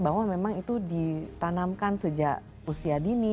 karena memang itu ditanamkan sejak usia dini